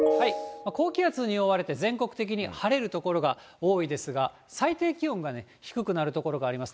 高気圧に覆われて、全国的に晴れる所が多いですが、最低気温がね、低くなる所があります。